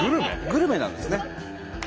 グルメなんですね。